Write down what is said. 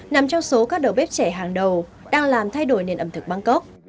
nằm trong số các đầu bếp trẻ hàng đầu đang làm thay đổi nền ẩm thực bangkok